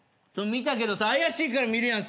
見たけどさ怪しいから見るやん